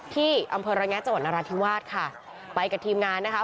ที่อำเภอระแงะจังหวัดนราธิวาสค่ะไปกับทีมงานนะคะ